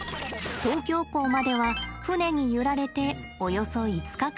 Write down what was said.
東京港までは船に揺られておよそ５日間。